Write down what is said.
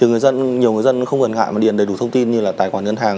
nhiều người dân không gần ngại mà điền đầy đủ thông tin như là tài khoản ngân hàng